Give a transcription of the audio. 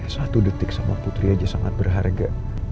satu detik sama putri aja sangat berharga